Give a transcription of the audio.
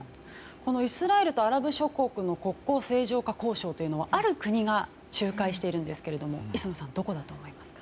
イスラエルとアラブ諸国の国交正常化交渉はある国が仲介しているんですが磯野さん、どこだと思いますか？